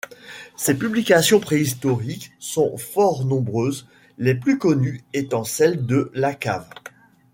Ses publications préhistoriques sont fort nombreuses, les plus connues étant celles de Lacave.